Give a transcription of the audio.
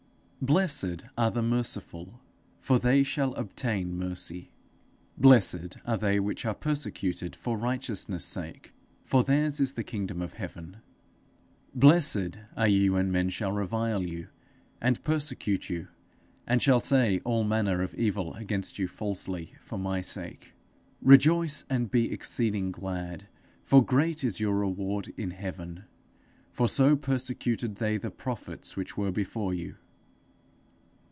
_ 'Blessed are the merciful, for they shall obtain mercy.' 'Blessed are they which are persecuted for righteousness' sake, for theirs is the kingdom of heaven. Blessed are ye when men shall revile you and persecute you, and shall say all manner of evil against you falsely, for my sake. Rejoice and be exceeding glad, for great is your reward in heaven; for so persecuted they the prophets which were before you.'